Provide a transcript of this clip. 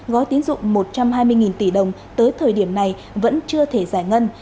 gói tín dụng một trăm hai mươi tỷ đồng tới thời điểm này vẫn chưa thể giải ngân